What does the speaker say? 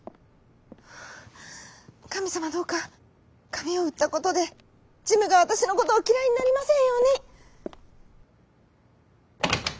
・「かみさまどうかかみをうったことでジムがわたしのことをきらいになりませんように」。